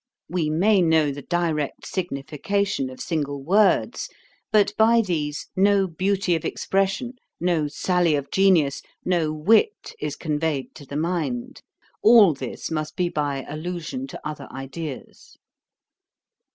We may know the direct signification of single words; but by these no beauty of expression, no sally of genius, no wit is conveyed to the mind. All this must be by allusion to other ideas.